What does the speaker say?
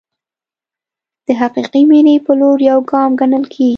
د حقیقي مینې په لور یو ګام ګڼل کېږي.